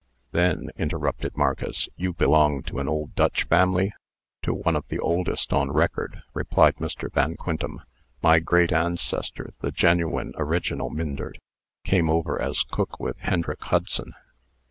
"Then," interrupted Marcus, "you belong to an old Dutch family?" "To one of the oldest on record," replied Mr. Van Quintem. "My great ancestor, the genuine original Myndert, came over as cook with Hendrik Hudson.